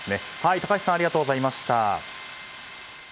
高橋さんありがとうございました。